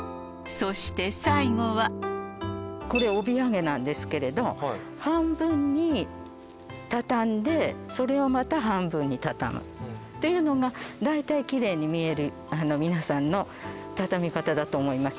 そして最後はこれ帯揚げなんですけれど半分にたたんでそれをまた半分にたたむっていうのが大体きれいに見える皆さんのたたみ方だと思います